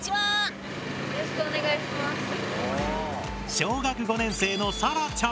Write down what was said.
小学５年生のさらちゃん！